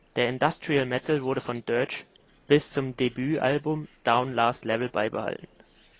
Der Industrial Metal wurde von Dirge bis zum Debütalbum "Down, Last Level" beibehalten.